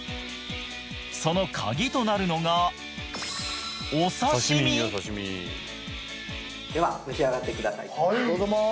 そのカギとなるのがでは召し上がってください